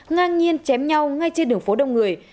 ngang nhiên chém nhau ngay trên đường phố đông người